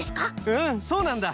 うんそうなんだ。